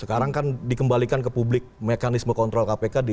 sekarang kan dikembalikan ke publik mekanisme kontrol kpk dilakukan oleh publik